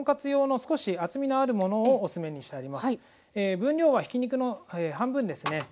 分量はひき肉の半分ですね。